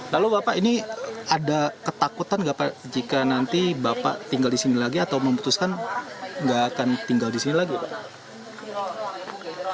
lalu bapak ini ada ketakutan nggak pak jika nanti bapak tinggal di sini lagi atau memutuskan nggak akan tinggal di sini lagi pak